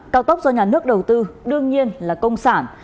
cao tốc do nhà nước đầu tư đương nhiên là công sản